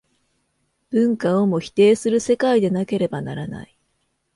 文化をも否定する世界でなければならない。